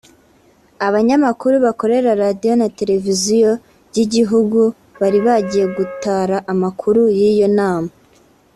Abanyamakuru bakorera radio na televiziyo by’igihugu bari bagiye gutara amakuru y’iyo nama